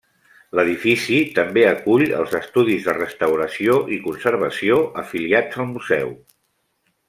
L'edifici també acull els estudis de restauració i conservació afiliats al museu.